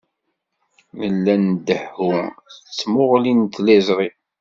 Nella ndehhu s tmuɣli n tliẓri.